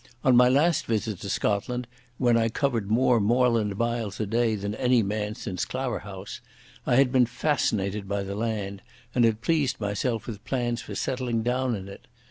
On my last visit to Scotland, when I covered more moorland miles a day than any man since Claverhouse, I had been fascinated by the land, and had pleased myself with plans for settling down in it.